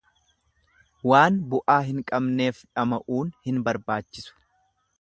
Waan bu'aa hin qabneef dhama'uun hin barbaachisu.